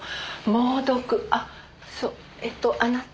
あっそうえっとあなた。